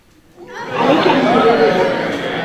عليك أن تجربه.